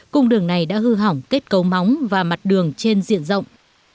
cung đường này đã hư hỏng kết cấu móng và mặt đường trên diện rộng